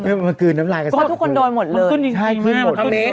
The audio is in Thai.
ก็ทุกคนโดรนหมดเลย